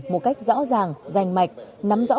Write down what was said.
một cách rõ ràng rành mạch nắm rõ